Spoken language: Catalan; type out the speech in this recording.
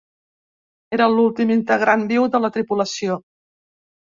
Era l'últim integrant viu de la tripulació.